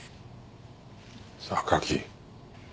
榊。